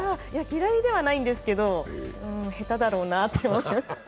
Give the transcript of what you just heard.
嫌いではないんですけど下手だろうなと。